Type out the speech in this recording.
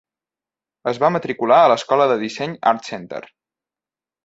Es va matricular a l'escola de disseny ArtCenter.